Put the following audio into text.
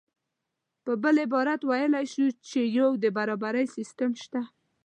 په بل عبارت ویلی شو چې یو د برابرۍ سیستم شته